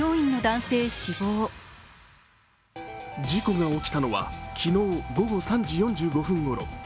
事故が起きたのは昨日午後３時４５分ごろ。